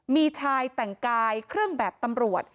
มีชายแต่งกายเครื่องแบบตำรวจ